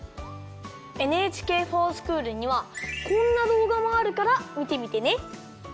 ＮＨＫｆｏｒＳｃｈｏｏｌにはこんなどうがもあるからみてみてね。